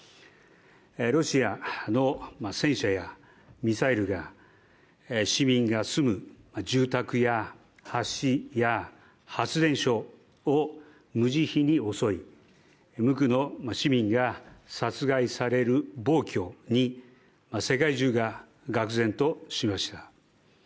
ロシアの戦車やミサイルが市民が住む住宅や橋や発電所を無慈悲に遅い、無垢の市民が殺害される暴挙に世界中ががく然としました。